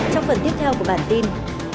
trong phần tiếp theo của bản tin